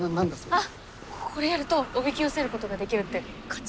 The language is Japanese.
あっこれやるとおびき寄せることができるって課長が。